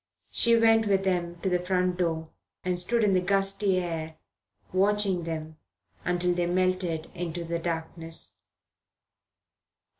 She went with them to the front door, and stood in the gusty air watching them until they melted into the darkness.